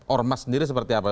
ormas sendiri seperti apa